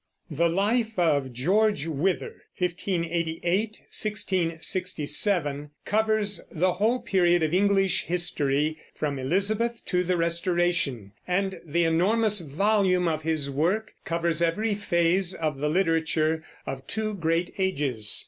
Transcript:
The life of George Wither (1588 1667) covers the whole period of English history from Elizabeth to the Restoration, and the enormous volume of his work covers every phase of the literature of two great ages.